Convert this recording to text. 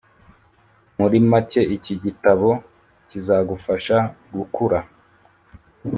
Muri make, iki gitabo kizagufasha gukura